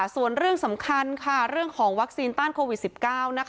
ส่วนเรื่องสำคัญค่ะเรื่องของวัคซีนต้านโควิด๑๙